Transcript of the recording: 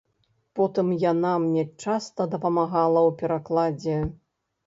Потым яна мне часта дапамагала ў перакладзе.